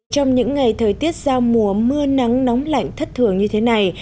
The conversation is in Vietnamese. trong những ngày thời tiết giao mùa mưa nắng nóng lạnh thất thường như thế này